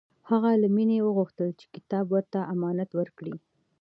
هغه له مینې وغوښتل چې کتاب ورته امانت ورکړي